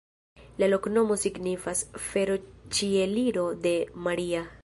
La loknomo signifas: fero-Ĉieliro de Maria.